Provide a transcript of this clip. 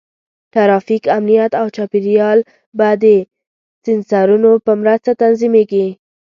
ټرافیک، امنیت، او چاپېریال به د سینسرونو په مرسته تنظیمېږي.